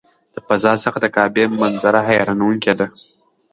د فضا څخه د کعبې منظره حیرانوونکې ده.